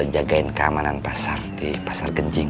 jagain keamanan pasar di pasar kenjing